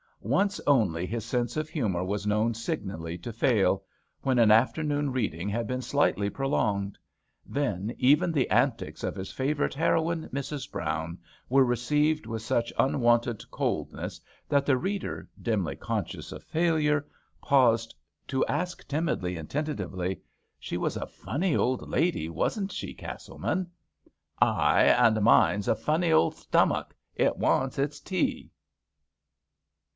Once only his sense of humour was known signally to fail, when an afternoon reading had been slightly prolonged. Then even the antics of his favourite heroine, Mrs. Brown, were received with such unwonted coldness that the reader, dimly conscious of failure, paused to ask timidly and tentatively, " She was a funny old lady, wasn't she, Castleman ?"" Ay, and mine's a funny old stomach ; it wants its tea."